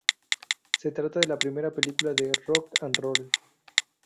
Se trata de la primera película de "rock and roll".